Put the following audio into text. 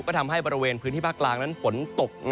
ก็ทำให้บริเวณพื้นที่ภาคกลางนั้นฝนตก